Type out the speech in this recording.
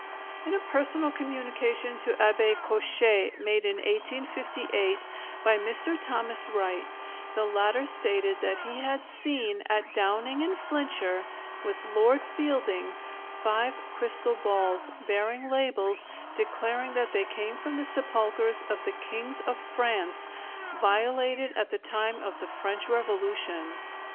In a personal communication to Abbé Cochet made in 1858 by Mr. Thomas Wright, the latter stated that he had seen at Downing in Flintshire with Lord Fielding five crystal balls, bearing labels declaring that they came from the sepulchres of the kings of France violated at the time of the French Revolution.